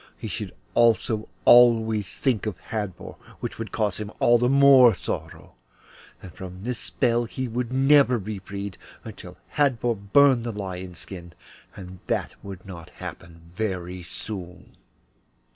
He should also think always of Hadvor, which would cause him all the more sorrow, and from this spell he should never be freed until Hadvor burned the lion's skin, and that would not happen very soon.